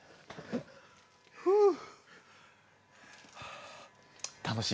ふう。